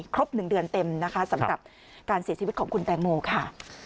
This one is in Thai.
๑เดือนเต็มนะคะสำหรับการเสียชีวิตของคุณแตงโมค่ะ